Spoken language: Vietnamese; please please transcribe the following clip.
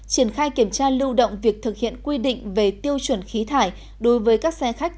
triển khai kiểm tra lưu động việc thực hiện quy định về tiêu chuẩn khí thải đối với các xe khách